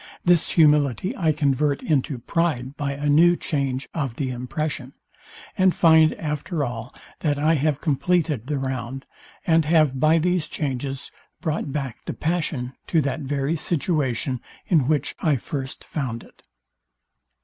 This humility I convert into pride by a new change of the impression; and find after all that I have compleated the round, and have by these changes brought back the passion to that very situation, in which I first found it.